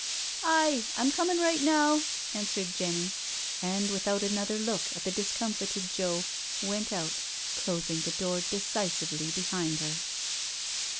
" Aye, I'm comin, right now," answered Jenny, and, without another look at the discomfited Joe, went out, closing the door decisively behind her.